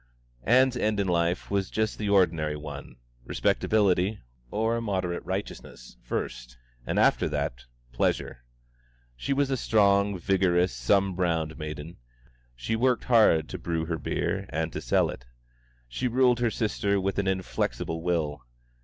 Ann's end in life was just the ordinary one respectability, or a moderate righteousness, first, and after that, pleasure. She was a strong, vigorous, sunbrowned maiden; she worked hard to brew her beer and to sell it. She ruled her sister with an inflexible will.